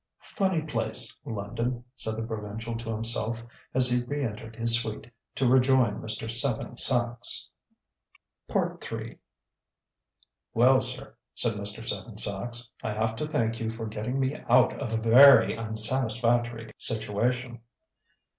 "Funny place, London!" said the provincial to himself as he re entered his suite to rejoin Mr. Seven Sachs. III. "Well, sir," said Mr. Seven Sachs, "I have to thank you for getting me out of a very unsatisfactory situation."